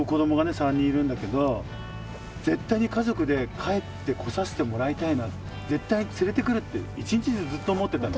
３人いるんだけど絶対に家族で帰ってこさせてもらいたいな絶対連れてくるって一日中ずっと思ってたのね。